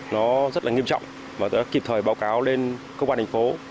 nó rất là nghiêm trọng và đã kịp thời báo cáo lên công an thành phố